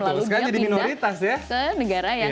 lalu dia pindah ke negara yang